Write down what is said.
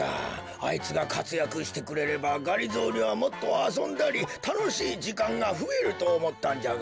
あいつがかつやくしてくれればがりぞーにはもっとあそんだりたのしいじかんがふえるとおもったんじゃが。